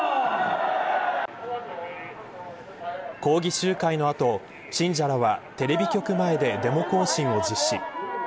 抗議集会の後、信者らはテレビ局前でデモ行進を実施。